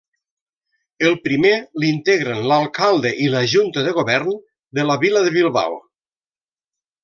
El primer l'integren l'alcalde i la Junta de Govern de la Vila de Bilbao.